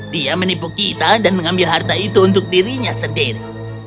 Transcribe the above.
dia menipu kita dan mengambil harta itu untuk dirinya sendiri